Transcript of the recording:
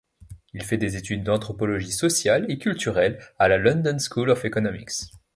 Il fait des études d'anthropologie sociale et culturelle à la London School of Economics.